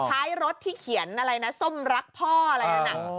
ท้ายรถที่เขียนอะไรนะส้มรักพ่ออะไรนั่นน่ะ